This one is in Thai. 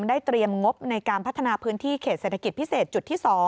ได้เตรียมงบในการพัฒนาพื้นที่เขตเศรษฐกิจพิเศษจุดที่๒